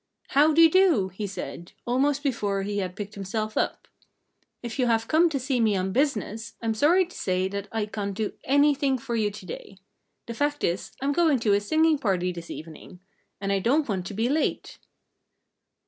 "How dy do!" he said, almost before he had picked himself up. "If you have come to see me on business, I'm sorry to say that I can't do anything for you to day.... The fact is, I'm going to a singing party this evening. And I don't want to be late."